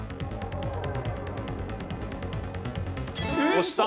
押した。